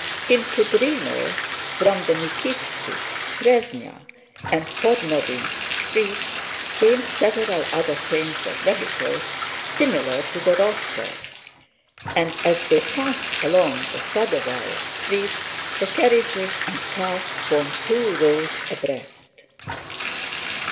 In Kúdrino, from the Nikítski, Présnya, and Podnovínsk Streets came several other trains of vehicles similar to the Rostóvs', and as they passed along the Sadóvaya Street the carriages and carts formed two rows abreast.